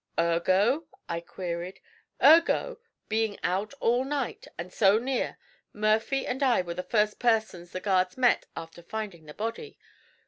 'Ergo?' I queried. 'Ergo, being out all night, and so near, Murphy and I were the first persons the guards met after finding the body.